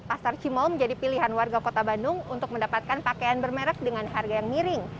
pasar cimol menjadi pilihan warga kota bandung untuk mendapatkan pakaian bermerek dengan harga yang miring